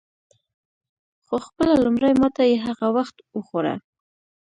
خو خپله لومړۍ ماته یې هغه وخت وخوړه.